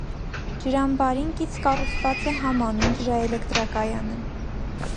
Ջրամբարին կից կառուցուած է համանուն ջրաելեկտրակայանը։